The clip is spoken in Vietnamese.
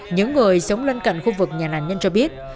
những người sống lân cận khu vực nhà nạn nhân cho biết